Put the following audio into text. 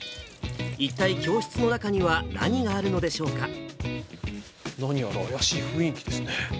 一体、教室の中には何があるので何やら怪しい雰囲気ですね。